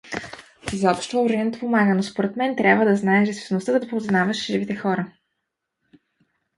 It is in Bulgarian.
Изобщо въображението помага, но според мен трябва да знаеш действителността, да познаваш живите хора.